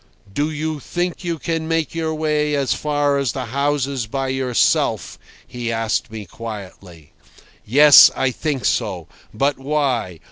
"Do you think you can make your way as far as the houses by yourself?" he asked me quietly. "Yes, I think so. But why?